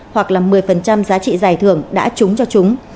hoặc là một mươi giá trị giải thưởng đã trúng cho chúng